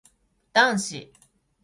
男子